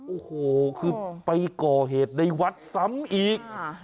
โอ้โหคือไปก่อเหตุในวัดซ้ำอีก